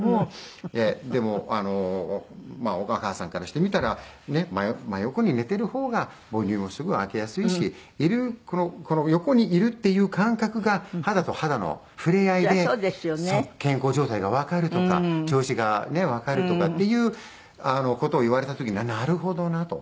でもあのお母さんからしてみたら真横に寝てる方が母乳もすぐあげやすいしいるこの横にいるっていう感覚が肌と肌の触れ合いで健康状態がわかるとか調子がわかるとかっていう事を言われた時になるほどなと。